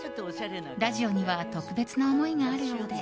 ラジオには特別な思いがあるようで。